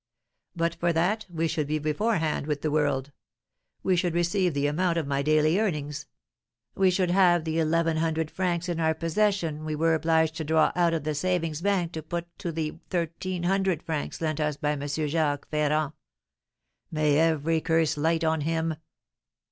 But for that we should be beforehand with the world; we should receive the amount of my daily earnings; we should have the 1,100 francs in our possession we were obliged to draw out of the savings bank to put to the 1,300 francs lent us by M. Jacques Ferrand. May every curse light on him!"